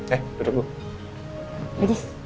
eh duduk dulu